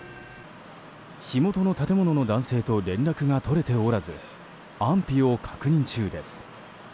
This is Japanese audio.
火元の建物の男性と連絡が取れておらず安否を確認中です。